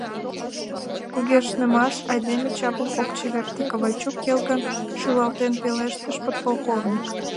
— Кугешнымаш айдеме чапым ок чеверте, Ковальчук, — келгын шӱлалтен пелештыш подполковник.